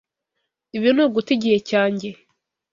Ibi ni uguta igihe cyanjye.